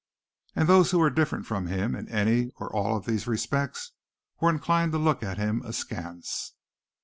And those who were different from him in any or all of these respects were inclined to look at him askance.